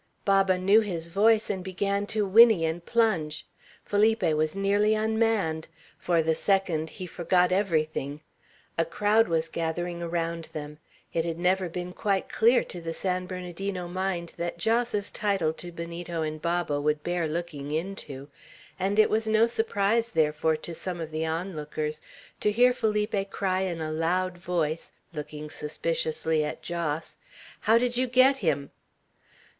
Baba knew his voice, and began to whinny and plunge. Felipe was nearly unmanned. For the second, he forgot everything. A crowd was gathering around them. It had never been quite clear to the San Bernardino mind that Jos's title to Benito and Baba would bear looking into; and it was no surprise, therefore, to some of the on lookers, to hear Felipe cry in a loud voice, looking suspiciously at Jos, "How did you get him?"